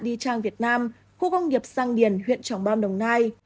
đi tràng việt nam khu công nghiệp sang điển huyện tràng bom đồng nai